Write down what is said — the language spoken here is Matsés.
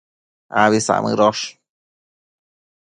Abi samëdosh